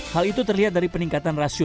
hal itu terlihat dari peningkatan rasio